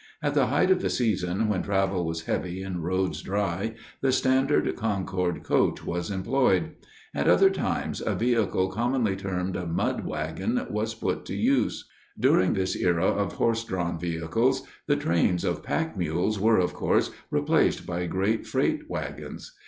At the height of the season, when travel was heavy and roads dry, the Standard Concord Coach was employed. At other times, a vehicle commonly termed a "mud wagon" was put to use. During this era of horse drawn vehicles, the trains of pack mules were, of course, replaced by great freight wagons.